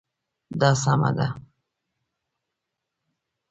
دا سمه ده